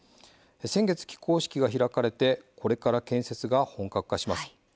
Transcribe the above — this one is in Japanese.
先月、起工式が開かれてこれから建設が本格化します。